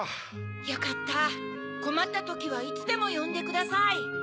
よかったこまったときはいつでもよんでください。